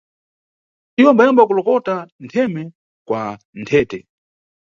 Iwo ambawamba kalokota ntheme kwa Nthete.